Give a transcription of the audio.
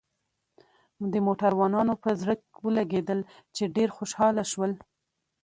د موټروانانو په زړه ولګېدل، چې ډېر خوشاله شول.